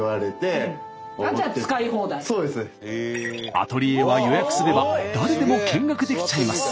アトリエは予約すれば誰でも見学できちゃいます。